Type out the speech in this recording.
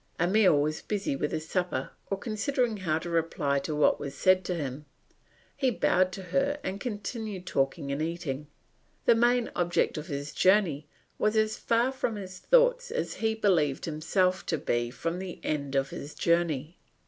Emile was busy with his supper or considering how to reply to what was said to him; he bowed to her and continued talking and eating. The main object of his journey was as far from his thoughts as he believed himself to be from the end of his journey.